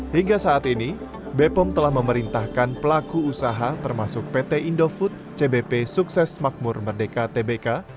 hingga saat ini bepom telah memerintahkan pelaku usaha termasuk pt indofood cbp sukses makmur merdeka tbk